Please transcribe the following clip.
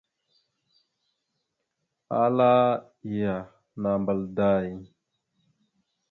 Ala iyah, nambal day !